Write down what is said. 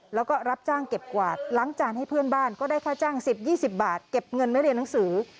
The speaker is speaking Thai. แล้วก็รับจ้างเก็บกวาดล้างจานให้เพื่อนบ้านก็ได้ค่าจ้าง๑๐๒๐บาทเก็บเงินไม่เรียนหนังสือ